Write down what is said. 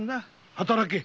働け！